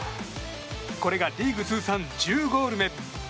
これがリーグ通算１０ゴール目。